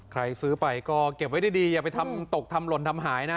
ซื้อไปก็เก็บไว้ดีอย่าไปทำตกทำหล่นทำหายนะ